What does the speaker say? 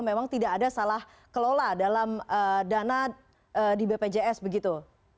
memang tidak ada salah kelola dalam dana di bpjs begitu